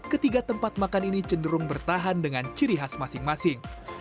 ketiga tempat makan ini cenderung bertahan dengan ciri khas masing masing